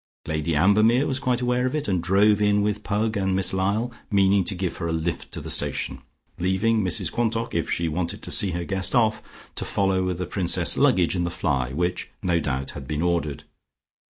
Lady Ambermere was quite aware of it, and drove in with Pug and Miss Lyall, meaning to give her a lift to the station, leaving Mrs Quantock, if she wanted to see her guest off, to follow with the Princess's luggage in the fly which, no doubt, had been ordered.